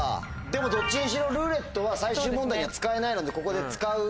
でもどっちにしろ「ルーレット」は最終問題には使えないのでここで使う。